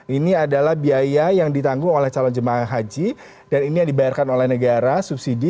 ini adalah biaya yang ditanggung oleh calon jemaah haji dan ini yang dibayarkan oleh negara subsidi